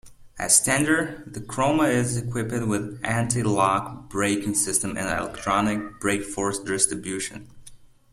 As standard, the Croma is equipped with anti-lock braking system and electronic brakeforce distribution.